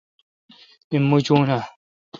ایم موچون اں؟